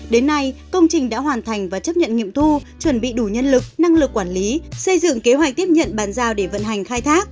đến nay công trình đã hoàn thành và chấp nhận nghiệm thu chuẩn bị đủ nhân lực năng lực quản lý xây dựng kế hoạch tiếp nhận bàn giao để vận hành khai thác